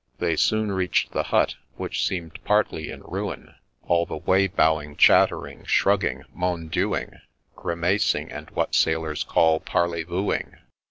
— They soon reach'd the hut, which seem'd partly in ruin, All the way bowing, chattering, shrugging, M on Dieuing, Grimacing, and what sailors call parley vooing.